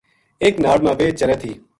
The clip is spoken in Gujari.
اک ناڑ ما ویہہ چرے تھی